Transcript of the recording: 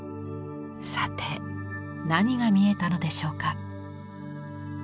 さて何が見えたのでしょうか。